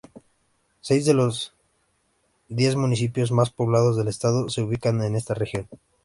Seis de los diez municipios más poblados del estado se ubican en esta región.